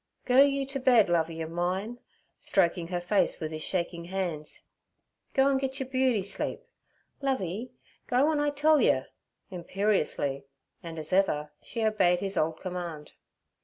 'Go you ter bed, Lovey ov mine' stroking her face with his shaking hands. 'Go and git yer beauty sleep. Lovey, go w'en I tell yer' imperiously; and, as ever, she obeyed his old command.